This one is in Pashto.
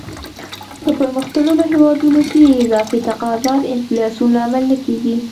په پرمختللو هیوادونو کې اضافي تقاضا د انفلاسیون لامل نه کیږي.